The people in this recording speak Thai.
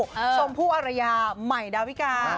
ชมพู่อารยาใหม่ดาวิกา